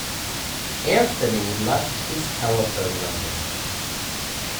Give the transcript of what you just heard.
Anthony left his telephone number.